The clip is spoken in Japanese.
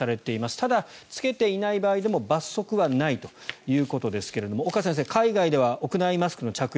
ただ、着けていない場合でも罰則はないということですが岡先生、海外では屋内マスクの着用